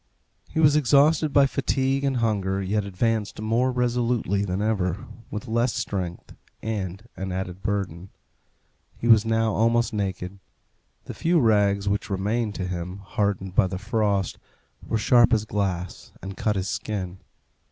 He was exhausted by fatigue and hunger, yet advanced more resolutely than ever, with less strength and an added burden. He was now almost naked. The few rags which remained to him, hardened by the frost, were sharp as glass, and cut his skin.